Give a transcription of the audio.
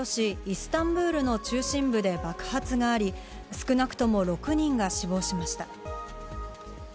イスタンブールの中心部で爆発があり、少なくとも６人が死亡しました。